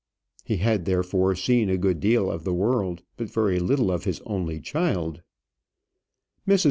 He had, therefore, seen a good deal of the world; but very little of his only child. Mrs.